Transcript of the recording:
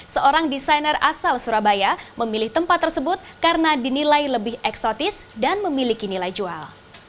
seorang desainer asal surabaya memilih tempat tersebut karena dinilai lebih eksotis dan memiliki nilai jual